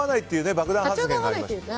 爆弾発言がありましたね。